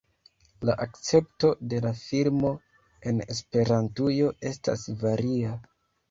La akcepto de la filmo en Esperantujo estas varia.